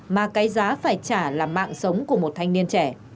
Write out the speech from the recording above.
mà cái giá phải trả là mạng sống của một thanh niên trẻ